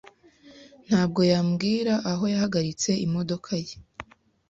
ntabwo yambwira aho yahagaritse imodoka ye.